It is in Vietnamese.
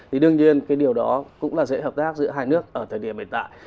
thì đương nhiên cái điều đó cũng là dễ hợp tác giữa hai nước ở thời điểm hiện tại